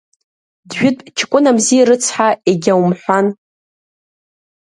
Джәытә ҷкәынамзи рыцҳа егьаумҳәан!